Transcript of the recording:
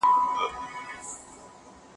غاښونه د برس په وسیله پاکېږي.